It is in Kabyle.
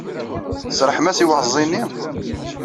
Tserrḥem-as i uɛeẓẓi-nni?